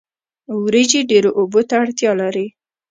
وریجې ډیرو اوبو ته اړتیا لري